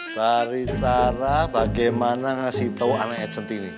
sari sara bagaimana ngasih tau anaknya centini